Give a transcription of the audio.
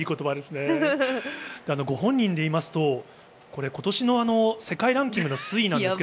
ご本人でいいますと、今年の世界ランキングの推移ですが。